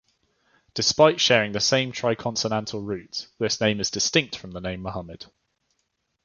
Despite sharing the same triconsonantal root, this name is distinct from the name "Muhammad".